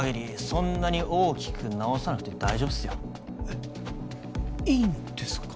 そんなに大きく直さなくて大丈夫っすよえっいいんですか？